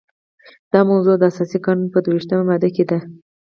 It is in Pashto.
دا موضوع د اساسي قانون په دوه ویشتمه ماده کې ده.